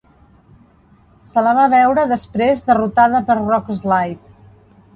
Se la va veure després derrotada per Rockslide.